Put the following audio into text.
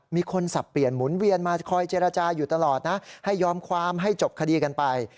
มีคนสับเปลี่ยนหมุนเวียนมาคอยเจรจาอยู่ตลอดนะให้ยอมความให้จบคดีกันไป